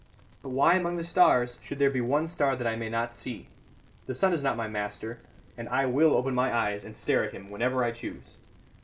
But why among the stars should there be one star I may not see? The sun is not my master, and I will open my eyes and stare at him whenever I choose."